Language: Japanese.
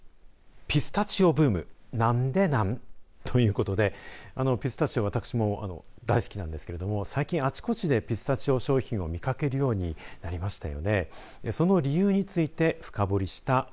ピスタチオブームなんでなん？ということでピスタチオは私も大好きなんですけれども最近、あちこちでピスタチオ商品を見かけるようになりました。